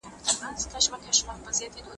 اقتصاد د منابعو د عادلانه ویش هڅه کوي.